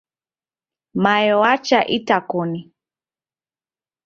Mayo wacha itakoni.